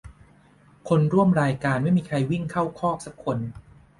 คนร่วมรายการไม่มีใครวิ่งเข้าคอกสักคน